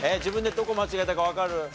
自分でどこ間違えたかわかる？